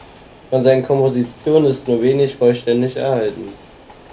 Von seinen Kompositionen ist nur wenig vollständig erhalten.